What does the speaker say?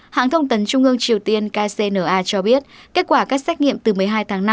hãng thông tấn trung ương triều tiên kcna cho biết kết quả các xét nghiệm từ một mươi hai tháng năm